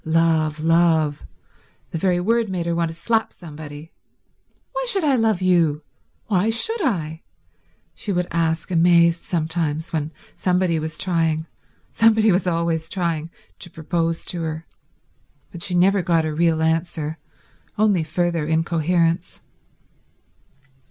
Love, love ... the very word made her want to slap somebody. "Why should I love you? Why should I?" she would ask amazed sometimes when somebody was trying—somebody was always trying—to propose to her. But she never got a real answer, only further incoherence.